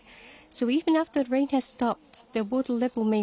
はい。